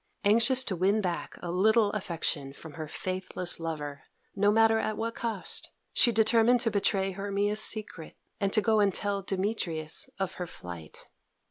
Anxious to win back a little affection from her faithless lover, no matter at what cost, she determined to betray Hermia's secret, and to go and tell Demetrius of her flight.